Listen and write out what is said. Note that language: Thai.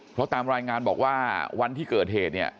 เพราะตามรายงานบอกว่าวันที่เกิดเหตุเนี่ย